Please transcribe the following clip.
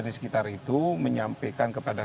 di sekitar itu menyampaikan kepada